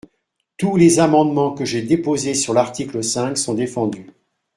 Tous les amendements que j’ai déposés sur l’article cinq sont défendus.